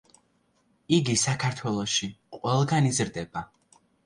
იგი საქართველოში ყველგან იზრდება.